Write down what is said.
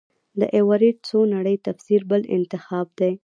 د ایورېټ څو نړۍ تفسیر بل انتخاب دی.